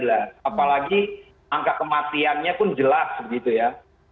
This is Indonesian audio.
apalagi angka kematiannya pun jelas begitu ya